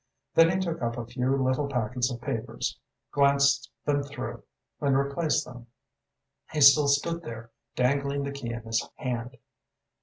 Then he took up a few little packets of papers, glanced them through and replaced them. He still stood there, dangling the key in his hard.